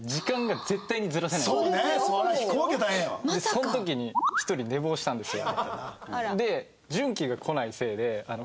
その時に１人寝坊したんですよ。